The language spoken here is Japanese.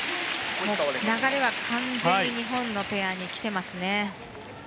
流れは完全に日本ペアに来ていますね。